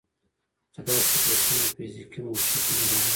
چې دا صفتونه فزيکي موصوف نه لري